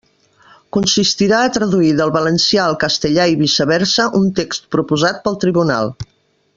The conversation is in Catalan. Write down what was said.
Consistirà a traduir del valencià al castellà i viceversa un text proposat pel tribunal.